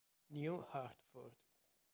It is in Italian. New Hartford